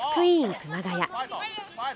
熊谷。